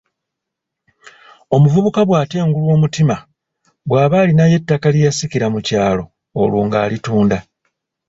Omuvubuka bw'atengulwa omutima, bw’aba alinayo ettaka lye yasikira mu kyalo olwo nga alitunda.